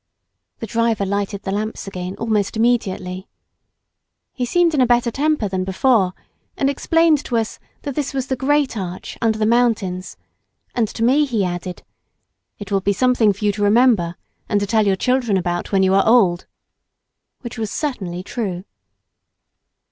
The driver lighted the lamps again almost immediately. He seemed in a better temper than before, and explained to us that this was the great arch under the mountains, and to me he added: "It will be something for you to remember and to tell your children about when you are old," which was certainly true.